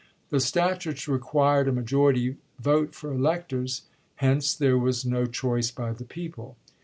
The statutes required a majority vote for electors, hence there was no choice by the people.